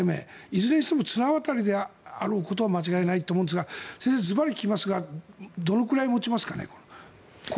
いずれにしても綱渡りであることは間違いないと思うんですが先生、ずばり聞きますがどのくらい持ちますかね？